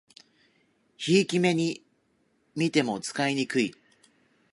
ひいき目にみても使いにくい